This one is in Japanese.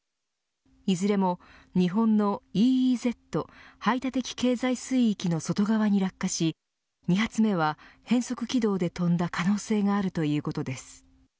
いずれも日本のＥＥＺ排他的経済水域の外側に落下し２発目は変則軌道で飛んだ可能性があるということです。